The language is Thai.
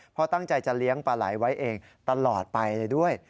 เพราะตั้งใจจะเลี้ยงปลาไหลไว้เองตลอดไปเลยด้วย